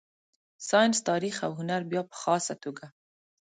ساینس، تاریخ او هنر بیا په خاصه توګه.